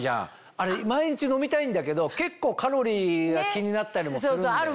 あれ毎日飲みたいんだけど結構カロリーが気になったりもするんだよね。